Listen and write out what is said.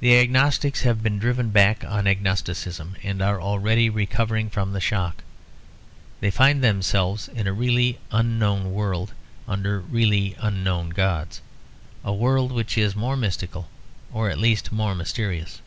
The agnostics have been driven back on agnosticism; and are already recovering from the shock. They find themselves in a really unknown world under really unknown gods; a world which is more mystical, or at least more mysterious.